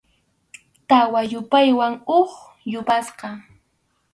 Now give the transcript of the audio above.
Tawa yupayman huk yapasqa.